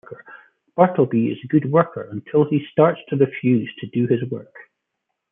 Bartleby is a good worker until he starts to refuse to do his work.